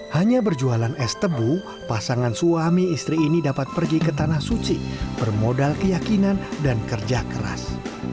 hanya berjualan es tebu pasangan suami istri ini dapat pergi ke tanah suci bermodal keyakinan dan kerja keras